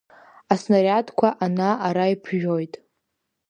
Аснариадқәа ана-ара иԥжәоит.